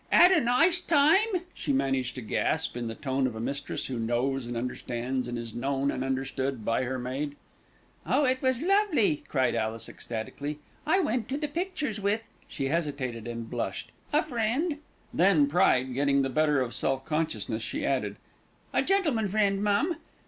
"'Ad a nice time?" she managed to gasp in the tone of a mistress who knows and understands, and is known and understood by, her maid. "Oh! it was lovely," cried Alice ecstatically. "I went to the pictures with" she hesitated and blushed "a friend," then, pride getting the better of self consciousness, she added, "a gentleman friend, mum.